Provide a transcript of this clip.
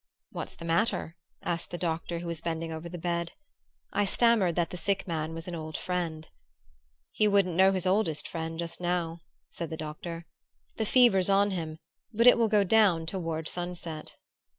"What's the matter?" asked the doctor who was bending over the bed. I stammered that the sick man was an old friend. "He wouldn't know his oldest friend just now," said the doctor. "The fever's on him; but it will go down toward sunset."